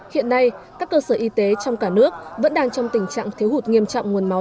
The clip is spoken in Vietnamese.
hiện nay các cơ sở y tế trong cả nước vẫn đang trong tình trạng thiếu hụt nghiêm trọng nguồn máu